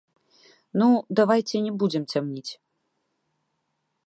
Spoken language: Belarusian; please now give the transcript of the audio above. Ну, давайце не будзем цямніць.